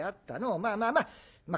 まあまあまあまあ